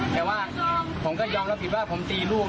แต่ว่าผมก็ยอมรับผิดว่าผมตีลูก